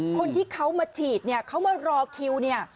คนที่เขามาฉีดเนี่ยเขามารอคิวเนี่ย